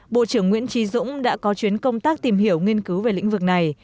bộ trưởng nguyễn trí dũng đã có chuyến công tác tìm hiểu nghiên cứu về lĩnh vực này